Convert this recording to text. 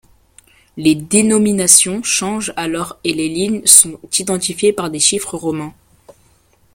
Les dénominations changent alors et les lignes sont identifiées par des chiffres romains.